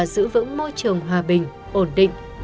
trong việc tạo lập và giữ vững môi trường hòa bình ổn định